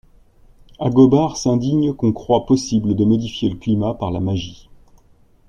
Agobard s'indigne qu'on croie possible de modifier le climat par la magie.